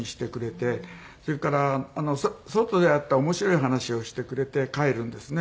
それから外であった面白い話をしてくれて帰るんですね。